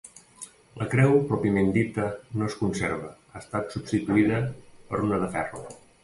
La creu pròpiament dita, no es conserva; ha estat substituïda per una de ferro.